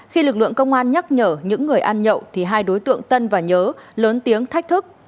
khi lực lượng công an nhắc nhở những người ăn nhậu thì hai đối tượng tân và nhớ lớn tiếng thách thức